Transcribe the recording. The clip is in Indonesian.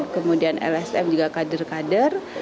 kemudian lsm juga kader kader